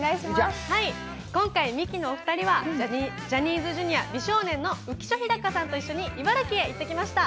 今回、ミキのお二人はジャニーズＪｒ．美少年の浮所飛貴さんと一緒に茨城に行ってきました。